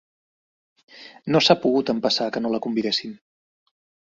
No s'ha pogut empassar que no la convidéssim.